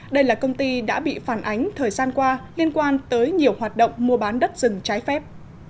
đây là công ty đã bị phản ánh thời gian qua liên quan tới nhiều hoạt động mua bán đất rừng trái phép